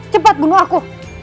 cepat bunuh aku